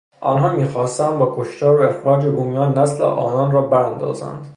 آنها میخواستند با کشتار و اخراج بومیان، نسل آنان را براندازند.